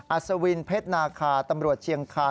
อาศวินเพจนาคาตำรวจเชียงคัน๒๕๕๙